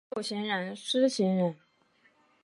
授行人司行人。